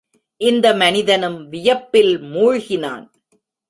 இந்த மனிதனும் வியப்பில் மூழ்கினான்.